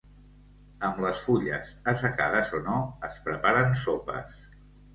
Amb les fulles, assecades o no, es preparen sopes.